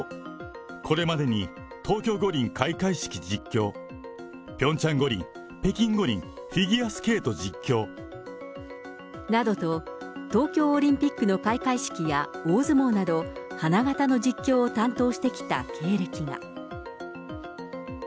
これまでに東京五輪開会式実況、ピョンチャン五輪、北京五輪、などと、東京オリンピックの開会式や大相撲など、花形の実況を担当してきた経歴が。